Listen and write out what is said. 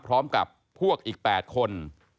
พร้อมกับพวกอีก๘คน